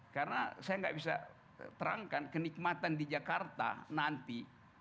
karena saya gak bisa terangkan kenikmatan di jakarta nanti